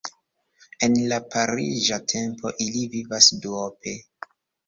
En la pariĝa tempo ili vivas duope.